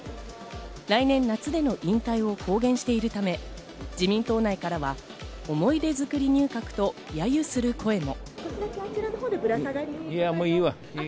来年夏での引退を公言しているため、自民党内からは思い出作り入閣とやゆする声も。